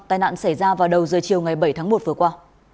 tai nạn xảy ra vào đầu giờ chiều ngày bảy tháng một vừa qua